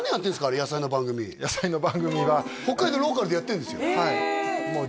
野菜の番組野菜の番組は北海道ローカルでやってるんですよ